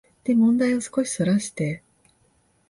で問題を少しそらして、